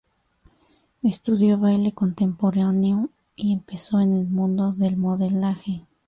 Estudió baile contemporáneo y empezó en el mundo del modelaje.